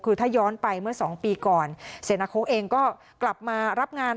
คือถ้าย้อนไปเมื่อสองปีก่อนเสนาโค้เองก็กลับมารับงาน